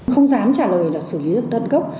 không dám trả lời là xử lý rất đơn gốc